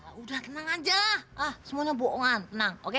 ah udah tenang aja lah ah semuanya boongan tenang oke